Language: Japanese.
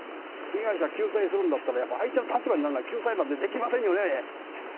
被害者救済するんだったら、やっぱり相手の立場にならなきゃ救済なんてできませんよね。